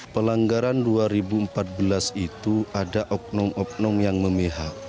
pelanggaran dua ribu empat belas itu ada oknum oknum yang memihak